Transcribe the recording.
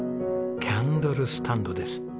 キャンドルスタンドです。